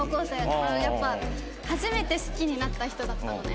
やっぱ初めて好きになった人だったのね。